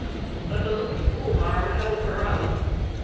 But the little "school marm" held her own.